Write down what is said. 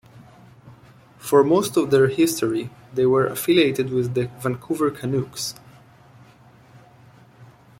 For most of their history, they were affiliated with the Vancouver Canucks.